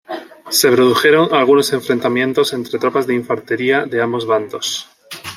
Se produjeron algunos enfrentamientos entre tropas de infantería de ambos bandos.